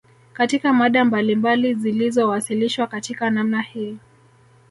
Katika mada mbalimbali zilizowasilishwa katika namna hii